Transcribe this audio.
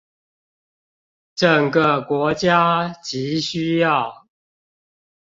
整個國家極需要